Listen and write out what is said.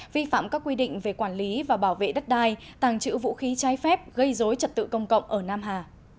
vi phạm các quy định về quản lý và bảo vệ đất đai tàng trữ vũ khí trái phép gây dối trật tự công cộng ở nam hà